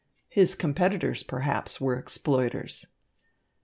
His competitors, perhaps, were exploiters.